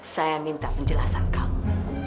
saya minta penjelasan kamu